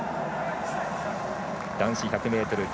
男子１００ｍＴ